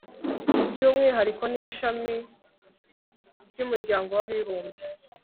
by umwihariko n ishami ry umuryango w abibumbye